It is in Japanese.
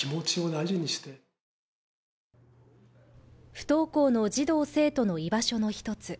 不登校の児童生徒の居場所の一つ